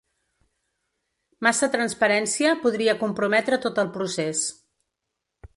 Massa transparència podria comprometre tot el procés.